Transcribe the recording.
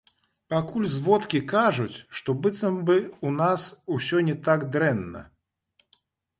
Пакуль зводкі кажуць, што быццам у нас усё не так дрэнна.